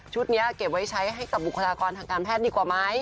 นี้เก็บไว้ใช้ให้กับบุคลากรทางการแพทย์ดีกว่าไหม